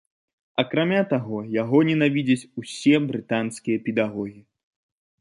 Акрамя таго, яго ненавідзяць усе брытанскія педагогі.